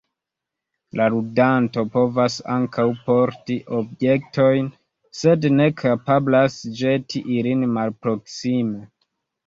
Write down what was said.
La ludanto povas ankaŭ porti objektojn, sed ne kapablas ĵeti ilin malproksime.